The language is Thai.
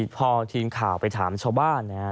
พอทีมข่าวไปถามชาวบ้านนะครับ